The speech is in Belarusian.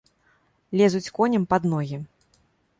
Лезуць коням пад ногі.